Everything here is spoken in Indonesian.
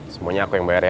semuanya aku yang bayar ya